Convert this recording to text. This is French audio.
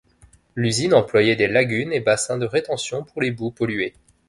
L'usine employait des lagunes et bassins de rétention pour les boues polluées.